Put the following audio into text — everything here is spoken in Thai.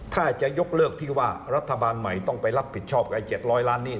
ถ้าจะยกเลิกที่ว่ารัฐบาลใหม่ต้องไปรับผิดชอบกับ๗๐๐ล้านนี้